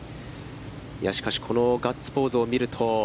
しかし、このガッツポーズを見ると。